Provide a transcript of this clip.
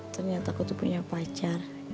ternyata aku tuh punya pacar